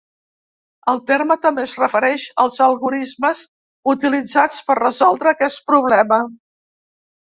El terme també es refereix als algorismes utilitzats per resoldre aquest problema.